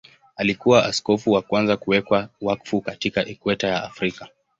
Alikuwa askofu wa kwanza kuwekwa wakfu katika Ikweta ya Afrika.